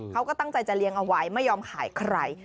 เขาก็ตั้งใจจะเลี้ยงเอาไว้ไม่ยอมขายใคร